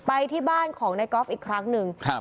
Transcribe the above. ไปที่บ้านของนายกอล์ฟอีกครั้งหนึ่งครับ